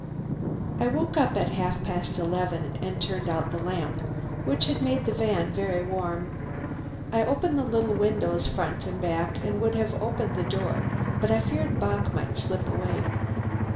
I woke up at half past eleven and turned out the lamp, which had made the van very warm. I opened the little windows front and back, and would have opened the door, but I feared Bock might slip away.